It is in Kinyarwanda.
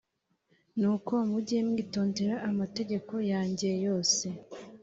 Nuko mujye mwitondera amategeko yanjye yose